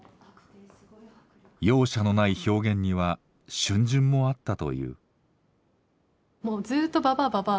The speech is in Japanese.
容赦のない表現には逡巡もあったという。